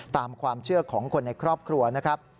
ตามความเชื่อของคนในครอบครัวนะครับ